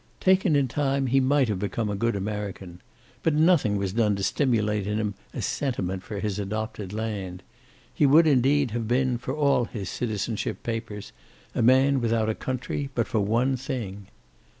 Taken in time he might have become a good American. But nothing was done to stimulate in him a sentiment for his adopted land. He would, indeed, have been, for all his citizenship papers, a man without a country but for one thing.